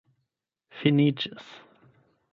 finiĝis